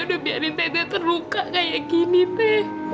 sudah membiarkan teteh terluka seperti ini teteh